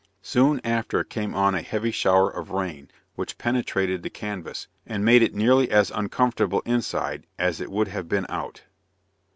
Soon after came on a heavy shower of rain which penetrated the canvas, and made it nearly as uncomfortable inside, as it would have been out.